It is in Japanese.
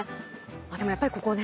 でもやっぱりここね。